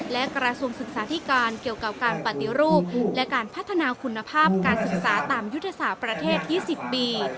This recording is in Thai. และกระทรวงศึกษาธิการเกี่ยวกับการปฏิรูปและการพัฒนาคุณภาพการศึกษาตามยุทธศาสตร์ประเทศ๒๐ปี